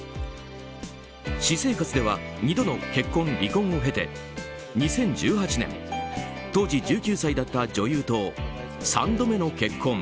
私生活では２度の結婚・離婚を経て２０１８年当時１９歳だった女優と３度目の結婚。